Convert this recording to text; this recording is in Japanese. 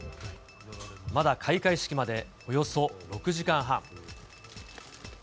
まだ開会式までおよそ６時間半。